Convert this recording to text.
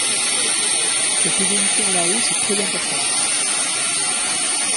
Cette évolution à la hausse est très importante.